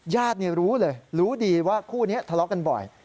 ญาติเนี่ยรู้เลยรู้ดีว่าคู่เนี่ยทะเลาะกันบ่อย